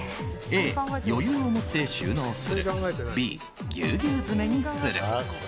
Ａ、余裕をもって収納するＢ、ギュウギュウ詰めにする。